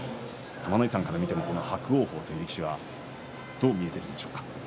玉ノ井さんから見ても伯桜鵬という力士はどう見えていますか。